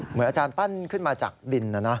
เหมือนอาจารย์ปั้นขึ้นมาจากดินนะนะ